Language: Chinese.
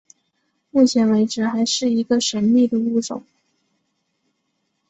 目前为止还是一个神秘的物种。